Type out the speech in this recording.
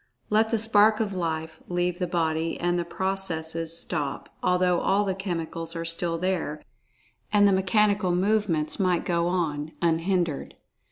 Let the spark of Life leave the body, and the processes stop, although all the chemicals are still[Pg 60] there, and the "mechanical movements" might go on unhindered.